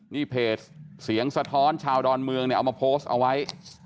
นี่เพจเสียงสะท้อนชาวดอนเมืองเนี่ยเอามาโพสต์เอาไว้